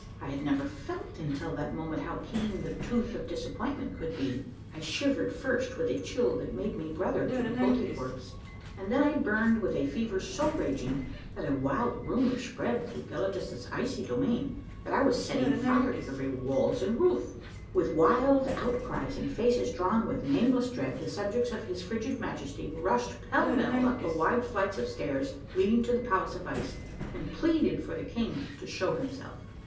I had never felt until that moment how keen the tooth of disap pointment could be. I shivered first with a chill that made me brother to the Koltykwerps, and then I burned with a fever so raging that a wild rumor spread through Gelidus' icy domain that I was setting fire to the very walls and roof. With wild outcries, and faces drawn with nameless dread, the subjects of Ins frigid Majesty rushed pell mell up the wide flights of stairs leading to the palace of ice, and pleaded for the king to show himself.